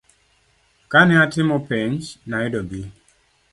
Kane atimo penj, nayudo B.